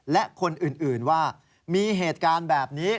และคนอื่นว่ามีเหตุการณ์แบบนี้